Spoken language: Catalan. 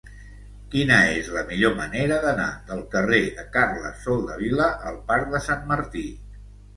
Quina és la millor manera d'anar del carrer de Carles Soldevila al parc de Sant Martí?